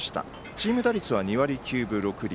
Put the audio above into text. チーム打率は２割９分６厘。